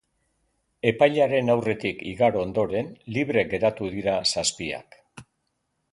Epailearen aurretik igaro ondoren, libre geratu dira zazpiak.